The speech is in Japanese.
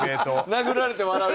殴られて笑う。